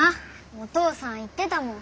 お父さん言ってたもん。